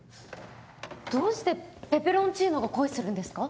どうしてペペロンチーノが恋するんですか？